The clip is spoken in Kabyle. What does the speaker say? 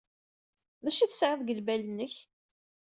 D acu ay tesɛiḍ deg lbal-nnek?